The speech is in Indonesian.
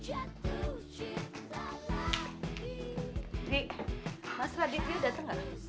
dik mas raditya dateng gak